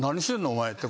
お前って。